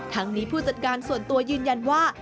ทั้งนี้ผู้จัดการส่วนตัวยืนยันว่า